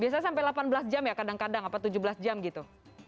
biasanya sampai delapan belas jam ya kadang kadang apa tujuh belas jam gitu